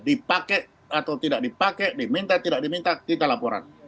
dipakai atau tidak dipakai diminta tidak diminta kita laporan